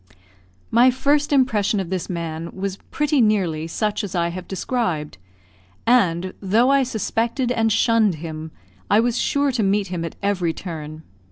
My first impression of this man was pretty nearly such as I have described; and, though I suspected and shunned him, I was sure to meet him at every turn.